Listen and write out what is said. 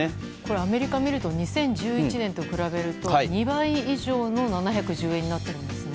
アメリカを見ると２０１１年と比べると２倍以上の７１０円になっているんですね。